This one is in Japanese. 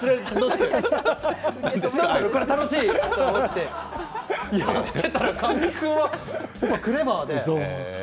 楽しいと思ってやってたら神木君がクレバーで。